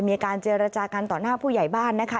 มีการเจรจากันต่อหน้าผู้ใหญ่บ้านนะคะ